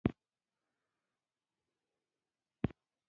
زردالو د زړه خوند دی.